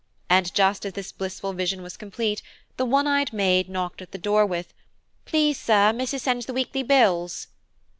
And just as this blissful vision was complete, the one eyed maid knocked at the door with, "Please, Sir, missus sends the weekly bills."